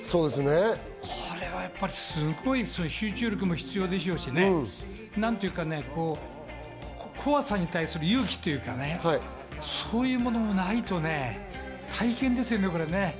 これはすごいですよ、集中力も必要でしょうし、怖さに対する勇気というか、そういうものがないと大変ですよね、これ。